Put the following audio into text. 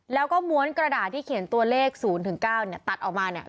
แล้วก็ม้วนกระดาษที่เขียนตัวเลข๐๙เนี่ยตัดออกมาเนี่ย